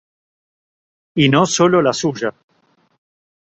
Y no sólo la suya.